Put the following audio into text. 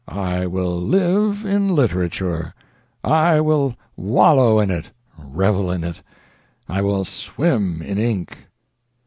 I will live in literature, I will wallow in it, revel in it; I will swim in ink!"